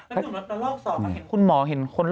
แล้วถึงรอบสอบก็เห็นคุณหมอเห็นคนล่ะ